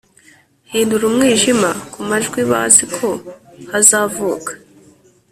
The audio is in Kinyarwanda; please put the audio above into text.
hindura umwijima kumajwi bazi ko hazavuka